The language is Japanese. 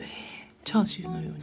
チャーシューのように？